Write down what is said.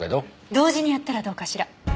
同時にやったらどうかしら？